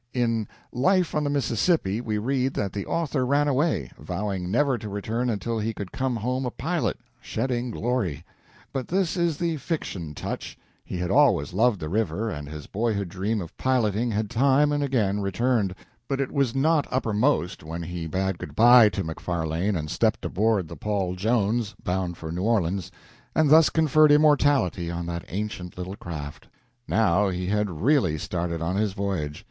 In "Life on the Mississippi" we read that the author ran away, vowing never to return until he could come home a pilot, shedding glory. But this is the fiction touch. He had always loved the river, and his boyhood dream of piloting had time and again returned, but it was not uppermost when he bade good by to Macfarlane and stepped aboard the "Paul Jones," bound for New Orleans, and thus conferred immortality on that ancient little craft. Now he had really started on his voyage.